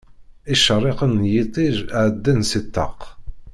Icerriqen n yiṭij ɛeddan-d si ṭṭaq.